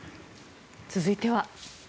続いては。